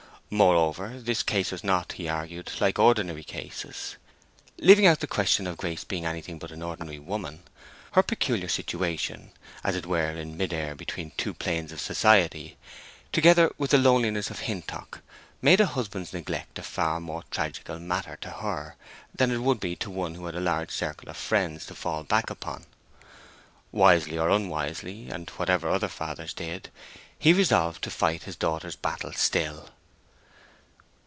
Moreover, this case was not, he argued, like ordinary cases. Leaving out the question of Grace being anything but an ordinary woman, her peculiar situation, as it were in mid air between two planes of society, together with the loneliness of Hintock, made a husband's neglect a far more tragical matter to her than it would be to one who had a large circle of friends to fall back upon. Wisely or unwisely, and whatever other fathers did, he resolved to fight his daughter's battle still.